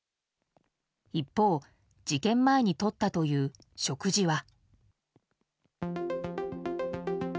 一方、事件前にとったという食事は。